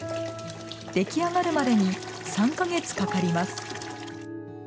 出来上がるまでに３か月かかります。